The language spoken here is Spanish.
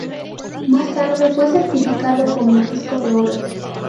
Más tarde fue certificado como disco de oro.